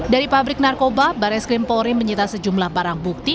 dari pabrik narkoba barres krimpori menyita sejumlah barang bukti